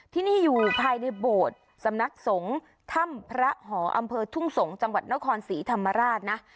ที่นี่อยู่ภายในโบสถ์สำนักสงฆ์ถ้ำพระหออำเภอทุ่งสงศ์จังหวัดนครศรีธรรมราชนะ